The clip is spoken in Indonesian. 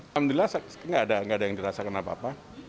alhamdulillah sekarang tidak ada yang dirasakan apa apa